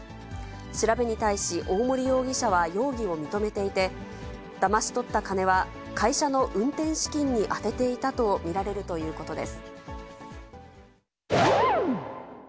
調べに対し、大森容疑者は容疑を認めていて、だまし取った金は会社の運転資金に充てていたと見られるということです。